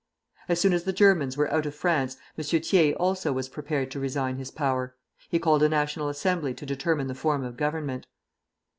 As soon as the Germans were out of France, M. Thiers also was prepared to resign his power. He called a National Assembly to determine the form of government.